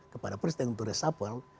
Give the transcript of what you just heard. kepada presiden guntur resapel